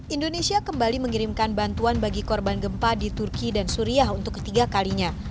indonesia kembali mengirimkan bantuan bagi korban gempa di turki dan suriah untuk ketiga kalinya